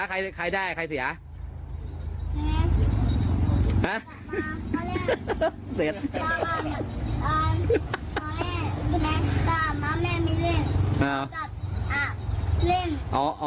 ใครใครได้ใครเสียอ่าฮะ